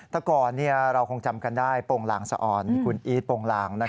แต่ก่อนเราคงจำกันได้โปรงลางสะอ่อนคุณอีทโปรงลาง